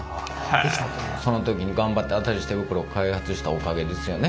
その時に頑張って新しい手袋を開発したおかげですよね。